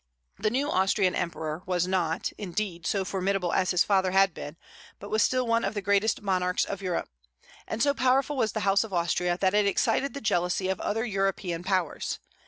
The new Austrian emperor was not, indeed, so formidable as his father had been, but was still one of the greatest monarchs of Europe; and so powerful was the House of Austria that it excited the jealousy of the other European powers.